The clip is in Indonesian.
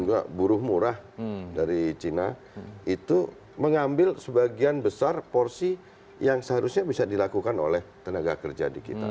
juga buruh murah dari china itu mengambil sebagian besar porsi yang seharusnya bisa dilakukan oleh tenaga kerja di kita